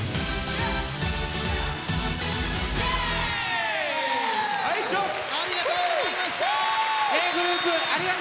ｇｒｏｕｐありがとうございました！